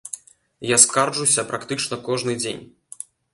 Я скарджуся практычна кожны дзень.